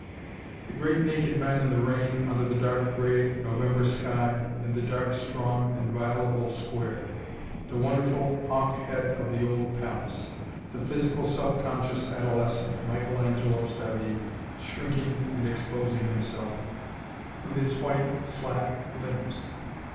The great, naked men in the rain, under the dark grey November sky, in the dark, strong inviolable square! The wonderful hawk head of the old palace. The physical, self conscious adolescent, Michelangelo's David, shrinking and exposing himself, with his white, slack limbs!